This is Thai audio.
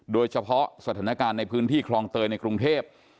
โดยเฉพาะสถานการณ์ในพื้นที่คลองเตยในกรุงเทพ